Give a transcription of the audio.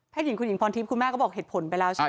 หญิงคุณหญิงพรทิพย์คุณแม่ก็บอกเหตุผลไปแล้วใช่ไหม